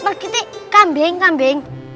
udhuse itu kambing kambing